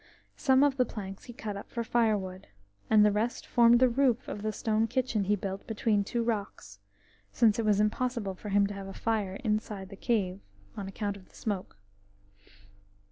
Some of the planks he cut up for firewood, and the rest formed the roof of the stone kitchen he built between two rocks, since it was impossible for him to have a fire inside the cave on account of the smoke.